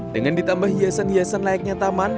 dengan ditambah hiasan hiasan layaknya taman